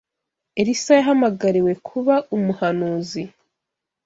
Elisa yahamagariwe kuba umuhanuzi